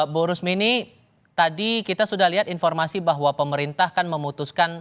bu rusmini tadi kita sudah lihat informasi bahwa pemerintah kan memutuskan